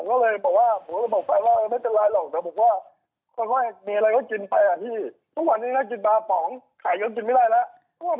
เขาบอกว่าเออถ้าเราอุดทนเนี่ยแล้วผมว่าเพราะเงินอ่ะก็ต้องใช้แค่ห้องก็ต้องจ่ายอะครับ